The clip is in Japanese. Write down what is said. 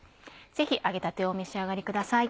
ぜひ揚げたてをお召し上がりください。